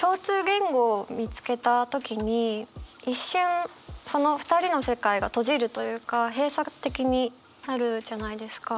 共通言語を見つけた時に一瞬その２人の世界が閉じるというか閉鎖的になるじゃないですか。